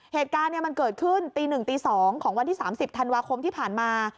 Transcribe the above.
เหตุการณ์มันเกิดขึ้นตี๑ตี๒ของวันที่๓๐ธันวาคมที่ผ่านมา